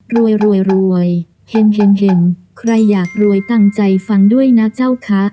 รวยรวยรวยเฮ็นเฮ็นเฮ็นใครอยากรวยตั้งใจฟังด้วยนะเจ้าคะ